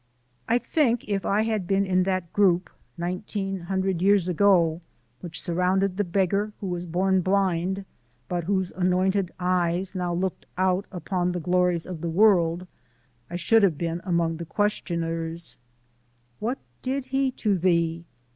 I think if I had been in that group nineteen hundred years ago, which surrounded the beggar who was born blind, but whose anointed eyes now looked out upon glories of the world, I should have been among the questioners: "What did he to thee?